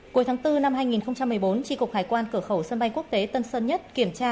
cuối tháng bốn năm hai nghìn một mươi bốn tri cục hải quan cửa khẩu sân bay quốc tế tân sơn nhất kiểm tra